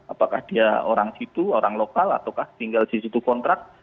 apakah dia orang situ orang lokal ataukah tinggal di situ kontrak